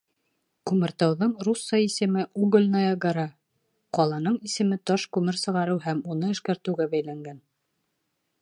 Күмертауҙың русса исеме «Угольная гора». Ҡаланың исеме таш күмер сығарыу һәм уны эшкәртеүгә бәйләнгән.